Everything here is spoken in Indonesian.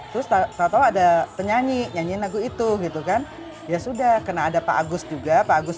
terus tau tau ada penyanyi nyanyiin lagu itu gitu kan ya sudah kena ada pak agus juga pak agus